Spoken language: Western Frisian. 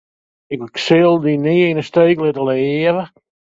Ik sil dy nea yn 'e steek litte, leave.